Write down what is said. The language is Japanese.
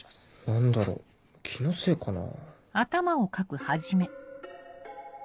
何だろう気のせいかな？